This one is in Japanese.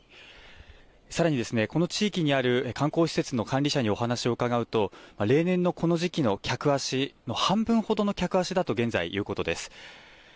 さらに、この地域にある観光施設の管理者にお話を伺うと、例年のこの時期の客足の半分ほどの客足だと、現在、いうことです。